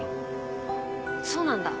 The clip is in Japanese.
そうなんだ。